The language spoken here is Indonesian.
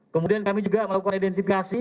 kemudian kami juga melakukan identifikasi